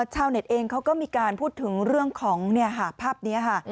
ชาวเน็ตเองเขาก็มีการพูดถึงเรื่องของภาพนี้ค่ะ